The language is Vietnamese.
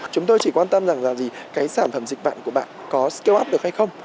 chúng tôi chỉ quan tâm rằng là gì cái sản phẩm dịch vụ của bạn có scale up được hay không